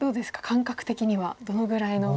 感覚的にはどのぐらいの。